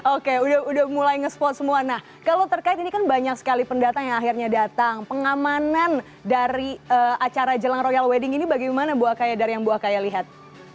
oke udah mulai nge spot semua nah kalau terkait ini kan banyak sekali pendatang yang akhirnya datang pengamanan dari acara jelang royal wedding ini bagaimana bu akaya dari yang bu akaya lihat